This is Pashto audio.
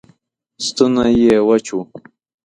ستونی یې وچ و